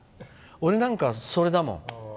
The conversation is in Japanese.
俺なんか、それだもん。